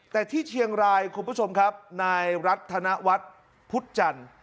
แต่ที่เชียงรายคุณผู้ชมครับนายรัฐธนวัฒน์พุทธจันทร์